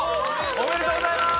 おめでとうございまーす！